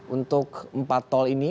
untuk empat tol ini